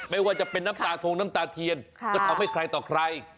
ไม่ว่าจะเป็นน้ำตาทงน้ำตาเทียนก็ทำให้ใครต่อใคร